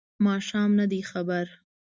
ماښام نه دی خبر